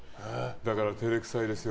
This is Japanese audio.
だから照れくさいですよ。